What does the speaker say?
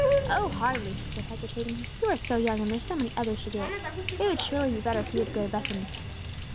"Oh, hardly," she said, hesitatingly, "you are so young, and there are so many others to do it; it would surely be better for you to go to Bethany."